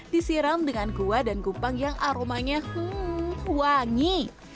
disiram dengan kuah dan kupang yang aromanya wangi